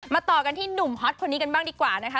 ต่อกันที่หนุ่มฮอตคนนี้กันบ้างดีกว่านะคะ